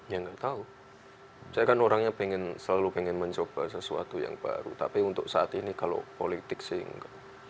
ya nggak tahu saya kan orangnya selalu pengen mencoba sesuatu yang baru tapi untuk saat ini kalau politik sih enggak